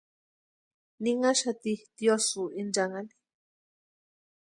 Ninhaxati tiosïo inchanhani.